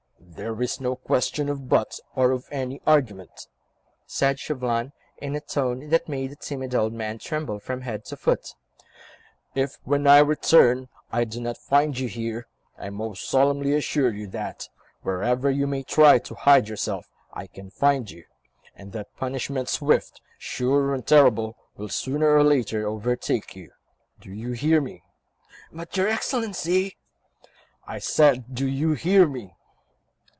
"There is no question of 'but' or of any argument," said Chauvelin, in a tone that made the timid old man tremble from head to foot. "If, when I return, I do not find you here, I most solemnly assure you that, wherever you may try to hide yourself, I can find you, and that punishment swift, sure and terrible, will sooner or later overtake you. Do you hear me?" "But your Excellency ..." "I said, do you hear me?"